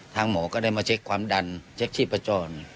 หมอก็ได้มาเช็คความดันเช็คชีพจร